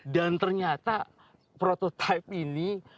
dan ternyata prototipe ini